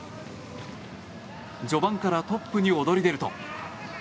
序盤からトップに躍り出ると。